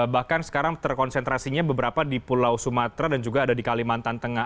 bahkan sekarang terkonsentrasinya beberapa di pulau sumatera dan juga ada di kalimantan tengah